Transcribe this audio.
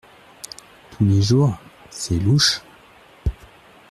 Tous les jours… c’est louche !